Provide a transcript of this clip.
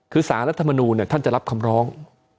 คือสารรัฐมนูลท่านจะรับคำร้อง